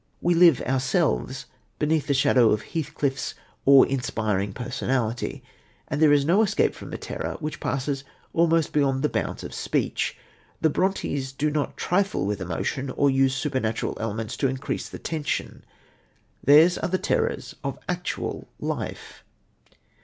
We live ourselves beneath the shadow of Heathcliff's awe inspiring personality, and there is no escape from a terror, which passes almost beyond the bounds of speech. The Brontës do not trifle with emotion or use supernatural elements to increase the tension. Theirs are the terrors of actual life.